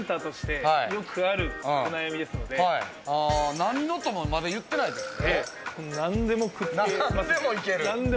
「何の」ってまだ言ってないですよ。